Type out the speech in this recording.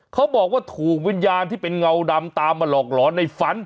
เขาบอกว่าถูกวิญญาณที่เป็นเงาดำตามมาหลอกหลอนในฝัน